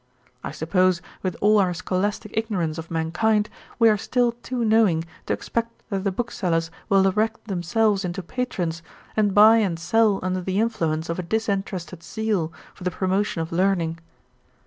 I suppose, with all our scholastick ignorance of mankind, we are still too knowing to expect that the booksellers will erect themselves into patrons, and buy and sell under the influence of a disinterested zeal for the promotion of learning.